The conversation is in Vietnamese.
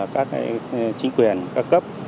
các chính quyền các cấp